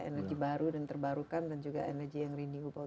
energi baru dan terbarukan dan juga energi yang renewable